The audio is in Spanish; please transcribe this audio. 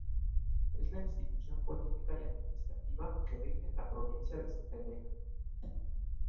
Es la institución política y administrativa que rige en la provincia de Santa Elena.